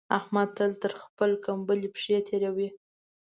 احمد تل تر خپلې کمبلې پښې تېروي.